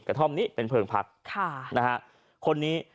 ท่อมนี้เป็นเพลิงพักค่ะนะฮะคนนี้